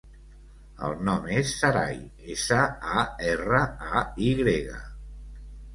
El nom és Saray: essa, a, erra, a, i grega.